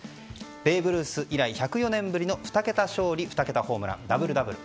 ベーブ・ルース以来１０４年ぶりの２桁勝利２桁ホームランダブル、ダブル。